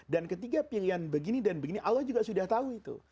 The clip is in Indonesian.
dan ketiga pilihan begini dan begini allah juga sudah tahu itu